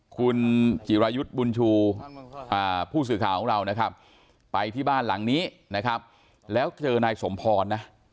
คุณจิรายุทธ์บุญชูผู้สื่อข่าวของเรานะครับไปที่บ้านหลังนี้นะครับแล้วเจอนายสมพรนะ